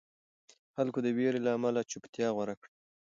خلکو د وېرې له امله چوپتیا غوره کړه.